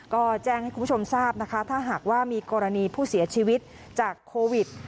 ก็แจ้งให้คุณผู้ชมทราบนะคะถ้าหากว่ามีกรณีผู้เสียชีวิตจากโควิด